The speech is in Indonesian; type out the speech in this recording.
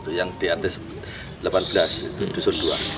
itu yang di rt delapan belas dusun dua